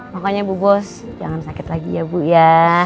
makanya bu bos jangan sakit lagi ya bu ya